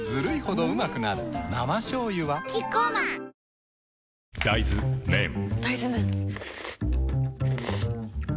生しょうゆはキッコーマン大豆麺ん？